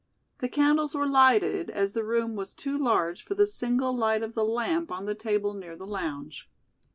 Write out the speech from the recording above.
The candles were lighted, as the room was too large for the single light of the lamp on the table near the lounge.